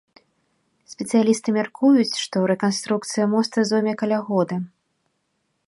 Спецыялісты мяркуюць, што рэканструкцыя моста зойме каля года.